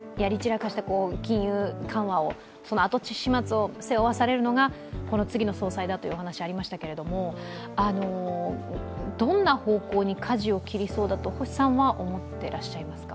黒田さんがやり散らかした金融緩和、その後始末を背負わされるのが次の総裁だというお話がありましたがどんな方向にかじを切りそうだと星さんは思ってらっしゃいますか？